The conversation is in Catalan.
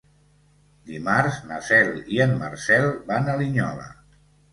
Dimarts na Cel i en Marcel van a Linyola.